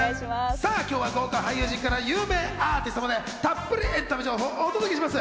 今日は豪華俳優陣から有名アーティストまでたっぷりエンタメ情報をお届けします。